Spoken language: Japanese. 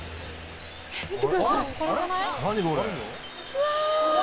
うわ！